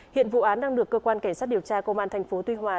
hiện vụ án đang được cơ quan cảnh sát điều tra công an thành phố tuy hòa